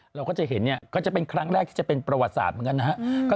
เราก็จะเห็นเนี่ยก็จะเป็นครั้งแรกที่จะเป็นประวัติศาสตร์เหมือนกันนะครับ